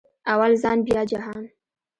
اول ځان بیا جهان